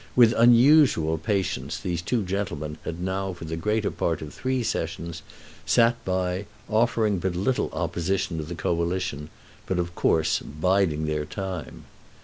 With unusual patience these two gentlemen had now for the greater part of three Sessions sat by, offering but little opposition to the Coalition, but of course biding their time.